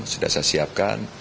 sudah saya siapkan